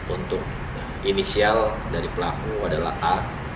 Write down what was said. untuk inisial dari pelaku adalah a